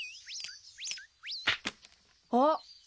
あっ。